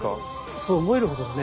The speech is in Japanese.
そう思えるほどにね